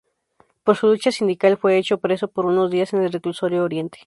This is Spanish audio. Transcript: Por su lucha sindical fue hecho preso por unos días en el Reclusorio Oriente.